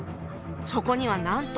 そこにはなんと！